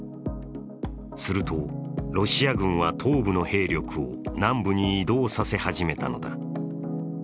するとロシア軍は、東部の兵力を南部に移動させ始めたのだ。